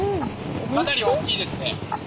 かなり大きいですね。